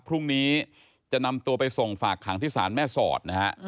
พรุ่งนี้จะนำตัวไปส่งฝากขังที่ศาลแม่สอดนะฮะ